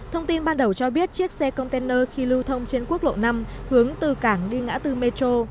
thông tin ban đầu cho biết chiếc xe container khi lưu thông trên quốc lộ năm hướng từ cảng đi ngã tư metro